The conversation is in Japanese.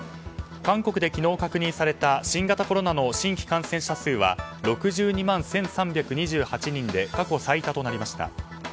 韓国で昨日確認された新型コロナの新規感染者数は６２万１３２８人で過去最多となりました。